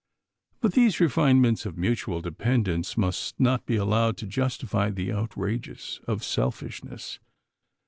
But these refinements of mutual dependence must not be allowed to justify the outrages of selfishness.